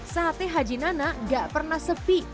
sate hajinana gak pernah sepi